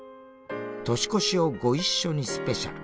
「年越しをご一緒にスペシャル」